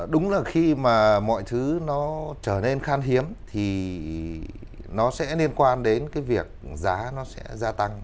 đúng là khi mà mọi thứ nó trở nên khan hiếm thì nó sẽ liên quan đến cái việc giá nó sẽ gia tăng